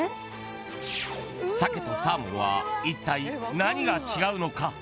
サケとサーモンは一体何が違うのか。